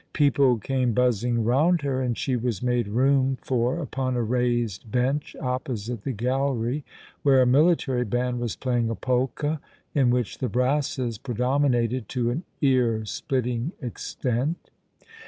People came buzzing round lier, and she was made room for upon a raised bench oppo site the gallery where a military band was playing a polka in which the brasses predominated to an ear splitting extent.